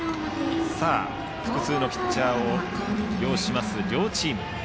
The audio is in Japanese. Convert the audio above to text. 複数のピッチャーを擁する両チーム。